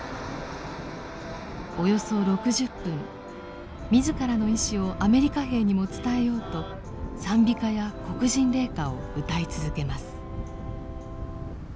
およそ６０分自らの意思をアメリカ兵にも伝えようと賛美歌や黒人霊歌を歌い続けます。